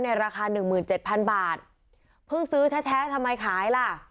ราคาหนึ่งหมื่นเจ็ดพันบาทเพิ่งซื้อแท้ทำไมขายล่ะ